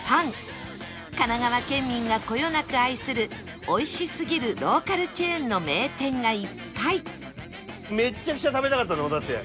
神奈川県民がこよなく愛する美味しすぎるローカルチェーンの名店がいっぱい